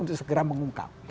untuk segera mengungkap